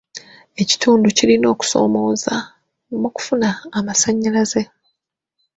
Ekitundu kirina okusoomooza mu kufuna amasannyalaze